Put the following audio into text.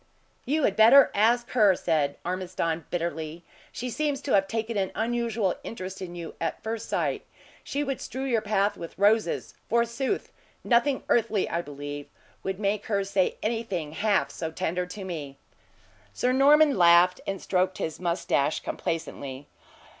"You had better ask her," said Ormiston, bitterly. "She seems to have taken an unusual interest in you at first sight. She would strew your path with roses, forsooth! Nothing earthly, I believe, would make her say anything half so tender to me." Sir Norman laughed, and stroked his moustache complacently.